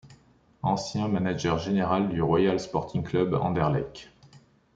Ancien manager général du Royal Sporting Club Anderlecht.